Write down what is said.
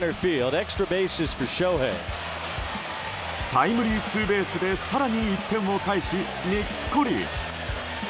タイムリーツーベースで更に１点を返し、にっこり。